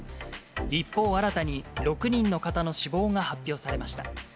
一方、新たに６人の方の死亡が発表されました。